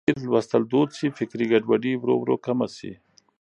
که چېرې لوستل دود شي، فکري ګډوډي ورو ورو کمه شي.